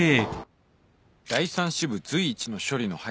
「第３支部随一の処理の速さ」